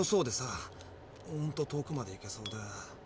うんと遠くまで行けそうで。